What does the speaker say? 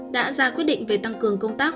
đã ra quyết định về tăng cường công tác